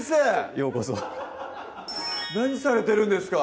ようこそ何されてるんですか？